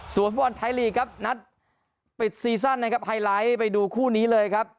ส่วนฟุตบอลไทยลีกครับนัดปิดซีซั่นนะครับไฮไลท์ไปดูคู่นี้เลยครับ